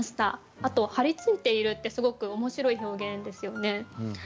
あと「貼り付いている」ってすごく面白い表現ですよね。